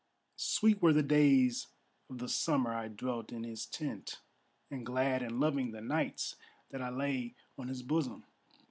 Sweet were the days of the summer I dwelt in his tent, And glad and loving the nights that I lay on his bosom.